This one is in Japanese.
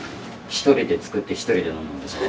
一人で作って一人で飲むんでしょ。